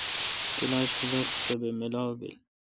کلاشہ خلق سہ بہ ملاو بیل۔